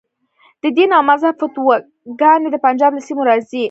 د دین او مذهب فتواګانې د پنجاب له سیمو راځي.